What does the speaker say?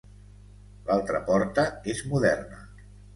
L'altra porta és moderna.